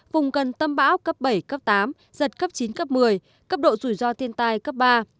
vùng gần tâm bão cấp bảy cấp tám giật cấp chín cấp một mươi cấp độ rủi ro thiên tai cấp ba